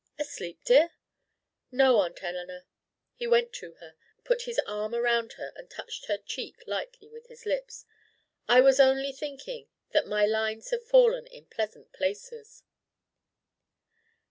"Asleep, dear?" "No, Aunt Eleanor." He went to her, put his arm around her, and touched her cheek lightly with his lips. "I was only thinking that my lines have fallen in pleasant places."